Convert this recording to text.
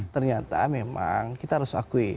ternyata memang kita harus akui